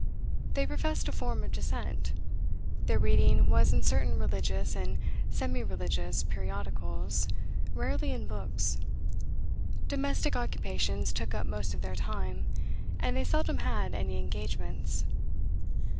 They professed a form of Dissent; their reading was in certain religious and semi religious periodicals, rarely in books; domestic occupations took up most of their time, and they seldom had any engagements.